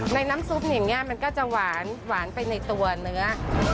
ในน้ำซุปเนี่ยมันก็จะหวานหวานไปในตัวเนื้อ